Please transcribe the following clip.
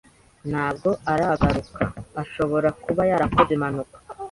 Ntabwo aragaruka. Ashobora kuba yarakoze impanuka.